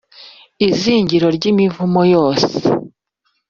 izingiro ry’imivumo yose